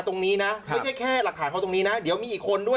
ตรงนี้นะไม่ใช่แค่หลักฐานเขาตรงนี้นะเดี๋ยวมีอีกคนด้วย